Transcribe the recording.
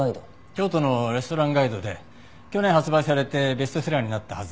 京都のレストランガイドで去年発売されてベストセラーになったはずです。